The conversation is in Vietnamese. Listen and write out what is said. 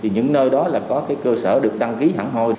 những nơi đó là có cơ sở được đăng ký hẳn hồi